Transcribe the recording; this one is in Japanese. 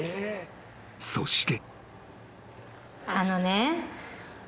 ［そして］